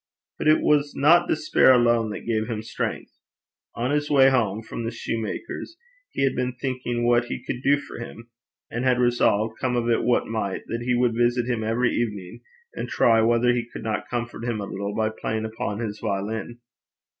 But it was not despair alone that gave him strength. On his way home from the shoemaker's he had been thinking what he could do for him; and had resolved, come of it what might, that he would visit him every evening, and try whether he could not comfort him a little by playing upon his violin.